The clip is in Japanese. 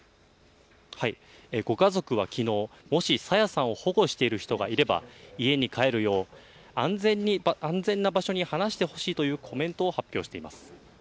ご家族はきのう、もし朝芽さんを保護している人がいれば家に帰るよう安全な場所に離してほしいというコメントを発表しています。